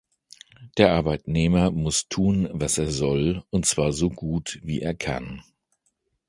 Der Arbeitnehmer muss tun, was er soll, und zwar so gut, wie er kann.